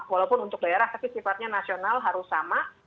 walaupun untuk daerah tapi sifatnya nasional harus sama